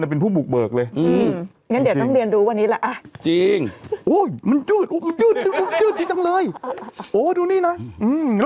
เออถูกต้อง